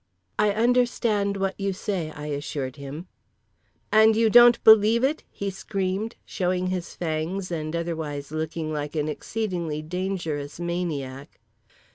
"I understand what you say," I assured him. "And you don't believe it?" he screamed, showing his fangs and otherwise looking like an exceedingly dangerous maniac.